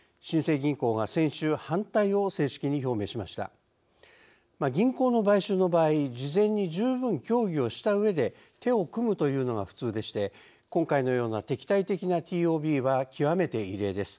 銀行の買収の場合事前に十分協議をしたうえで手を組むというのが普通でして今回のような敵対的なＴＯＢは極めて異例です。